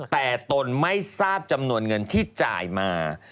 แต่ตนไม่ทราบจำนวนเงินที่จ่ายมา